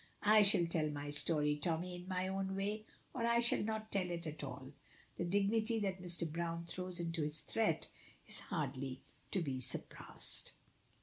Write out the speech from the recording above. "I shall tell my story, Tommy, in my own way, or I shall not tell it at all!" The dignity that Mr. Browne throws into this threat is hardly to be surpassed.